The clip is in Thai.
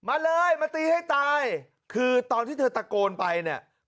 มาเลยมาตีให้ตายคือตอนที่เธอตะโกนไปเนี่ย